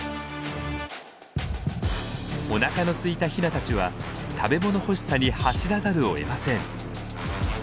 おなかのすいたヒナたちは食べ物欲しさに走らざるをえません。